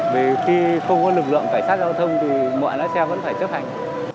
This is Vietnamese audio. vì khi không có lực lượng cảnh sát giao thông thì mọi lái xe vẫn phải chấp hành